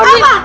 ada di luar